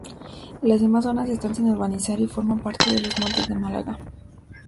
Las demás zonas están sin urbanizar y forman parte de los Montes de Málaga.